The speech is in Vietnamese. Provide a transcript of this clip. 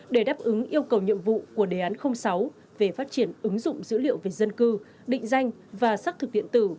để đáp ứng yêu cầu nhiệm vụ của đề án sáu về phát triển ứng dụng dữ liệu về dân cư định danh và xác thực điện tử